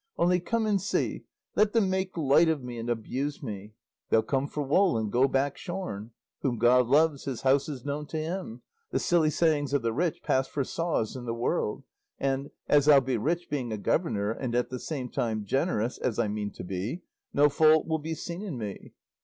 Only come and see! Let them make light of me and abuse me; 'they'll come for wool and go back shorn;' 'whom God loves, his house is known to Him;' 'the silly sayings of the rich pass for saws in the world;' and as I'll be rich, being a governor, and at the same time generous, as I mean to be, no fault will be seen in me.